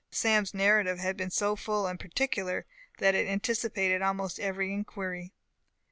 Sam's narrative had been so full and particular, that it anticipated almost every inquiry.